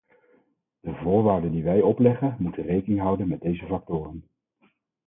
De voorwaarden die wij opleggen, moeten rekening houden met deze factoren.